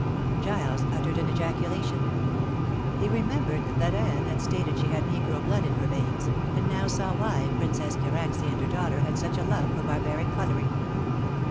Giles uttered an ejaculation. He remembered that Anne had stated she had negro blood in her veins, and now saw why Princess Karacsay and her daughter had such a love for barbaric coloring.